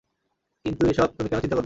কিন্তু এসব তুমি কেন চিন্তা করবে?